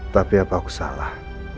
tapi apa aku salah